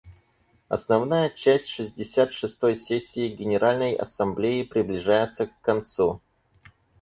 Основная часть шестьдесят шестой сессии Генеральной Ассамблеи приближается к концу.